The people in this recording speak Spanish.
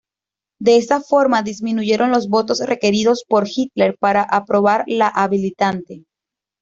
De esa forma disminuyeron los votos requeridos por Hitler para aprobar la Habilitante.